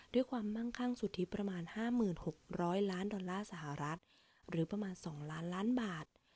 มั่งคั่งสุทธิประมาณ๕๖๐๐ล้านดอลลาร์สหรัฐหรือประมาณ๒ล้านล้านบาท